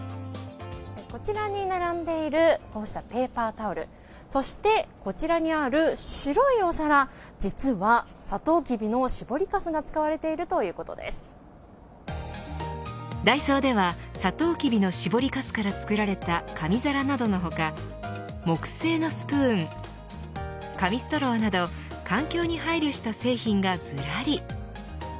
こちらに並んでいるこうしたペーパータオルそしてこちらにある白いお皿実はサトウキビの絞りかすがダイソーではサトウキビの絞りかすから作られた紙皿などの他木製のスプーン紙ストローなど環境に配慮した製品がずらり。